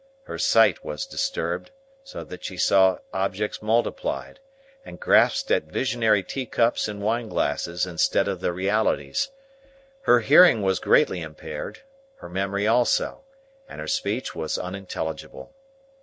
Her sight was disturbed, so that she saw objects multiplied, and grasped at visionary teacups and wineglasses instead of the realities; her hearing was greatly impaired; her memory also; and her speech was unintelligible.